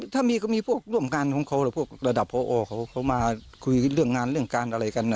ถ้ามีก็มีพวกร่วมงานของเขาหรือพวกระดับพอเขามาคุยเรื่องงานเรื่องการอะไรกัน